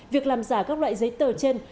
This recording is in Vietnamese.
việc làm giả các loại giấy tờ trên